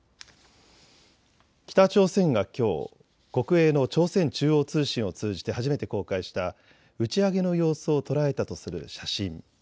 北朝鮮がきょう、国営の朝鮮中央通信を通じて初めて公開した打ち上げの様子を捉えたとする写真。